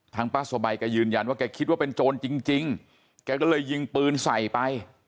ป้าสบายแกยืนยันว่าแกคิดว่าเป็นโจรจริงแกก็เลยยิงปืนใส่ไป